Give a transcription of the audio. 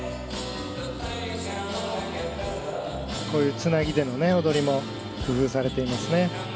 こういうつなぎでの踊りも工夫されていますね。